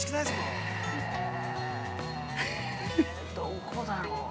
◆えー、どこだろう。